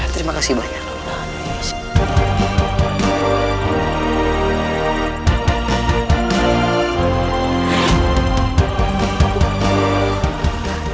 terima kasih banyak